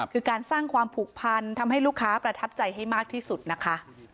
คือการสร้างความผูกพันทำให้ลูกค้าประทับใจให้มากที่สุดนะคะ